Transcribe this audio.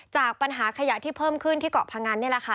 จากปัญหาขยะที่เพิ่มขึ้นที่เกาะพงันนี่แหละค่ะ